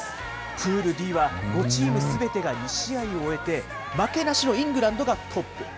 プールＤは、５チームすべてが２試合を終えて、負けなしのイングランドがトップ。